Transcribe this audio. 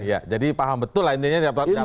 iya jadi paham betul intinya